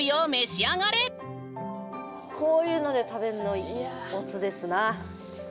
こういうので食べんのおつですな。